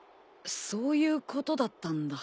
そういうことだったんだ。